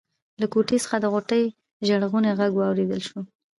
له کوټې څخه د غوټۍ ژړغونی غږ واورېدل شو.